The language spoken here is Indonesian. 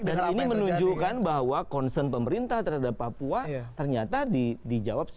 dan ini menunjukkan bahwa concern pemerintah terhadap papua ternyata dijawab sekali